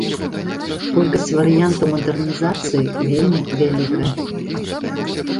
Колькасць варыянтаў мадэрнізацыі вельмі вялікае.